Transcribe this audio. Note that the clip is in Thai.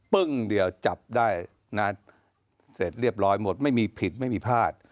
ปึ้งเดียวจับได้นะเสร็จเรียบร้อยหมดไม่มีผิดไม่มีพลาด